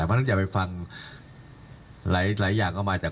เพราะฉะนั้นอย่าไปฟังหลายอย่างก็มาจาก